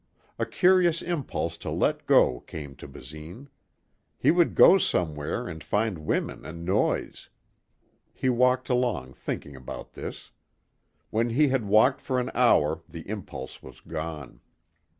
A curious impulse to let go came to Basine. He would go somewhere and find women and noise. He walked along thinking about this. When he had walked for an hour the impulse was gone.